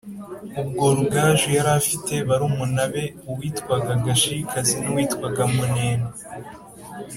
ubwo rugaju yari afite barumuna be uwitwaga gashikazi n'uwitwaga munene